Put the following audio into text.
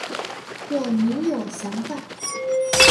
若您有想法